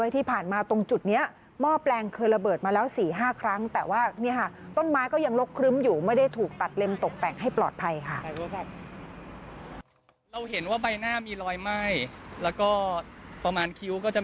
ต้นไม้ก็ยังลกครึ้มอยู่ไม่ได้ถูกตัดเล็มตกแต่งให้ปลอดภัยค่ะ